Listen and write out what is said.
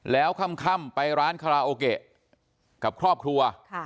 แล้วค่ำไปร้านคาราโอเกะกับครอบครัว